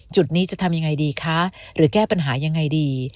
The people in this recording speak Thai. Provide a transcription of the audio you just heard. จุดนี้จะทำยังไงดีคะหรือแก้ปัญหายังไงดี